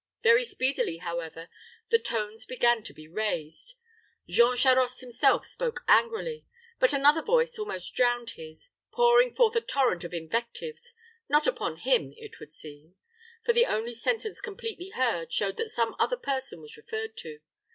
Very speedily, however, the tones began to be raised; Jean Charost himself spoke angrily; but another voice almost drowned his, pouring forth a torrent of invectives, not upon him, it would seem; for the only sentence completely heard showed that some other person was referred to.